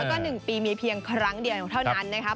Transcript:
แล้วก็๑ปีมีเพียงครั้งเดียวเท่านั้นนะครับ